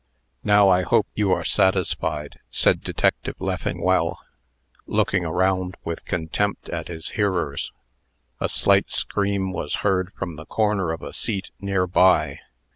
"Now I hope you are satisfied," said Detective Leffingwell, looking around with contempt at his hearers. A slight scream was heard from the corner of a seat near by.